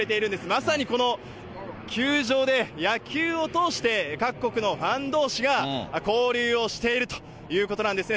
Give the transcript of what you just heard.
まさにこの球場で、野球を通して各国のファンどうしが交流をしているということなんですね。